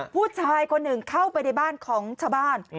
ผู้ชายคนหนึ่งเข้าไปในบ้านของชาวบ้าน